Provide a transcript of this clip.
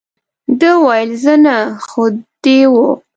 ده وویل، زه نه، خو دی وو.